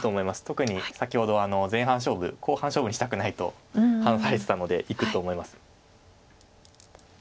特に先ほど後半勝負にしたくないと話されてたのでいくと思います。